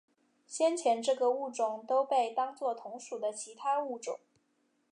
先前这个物种都被当作同属的其他物种。